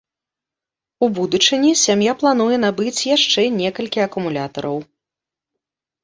У будучыні сям'я плануе набыць яшчэ некалькі акумулятараў.